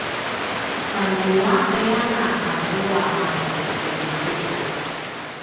sa ljengua’ianga azua a ku tjukutjuku